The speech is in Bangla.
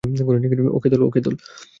ওকে, দল।